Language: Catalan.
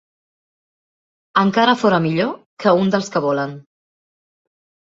Encara fora millor que un dels que volen